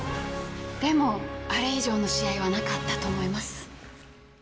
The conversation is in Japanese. でもあれ以上の試合はなかったと思います。